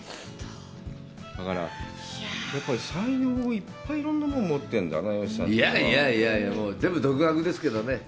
だから、やっぱり才能をいっぱい、いろんなものを持ってるんだな、吉さんは。いやいやいや、もう全部、独学ですけどね。